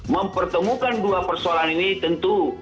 mempertemukan dua persoalan ini tentu